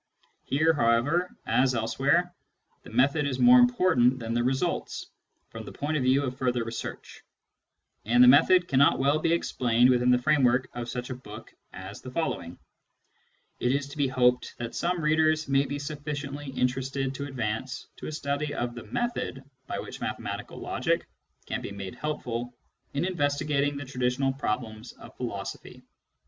Here, however, as elsewhere, the method is more important than the results, from the point of view of further research ; and the method cannot well be explained within the framework of such a book as the following. It is to be hoped that some readers may be sufficiently interested to advance to a study of the method by which mathematical logic can be made helpful in investigating the traditional problems of philosophy.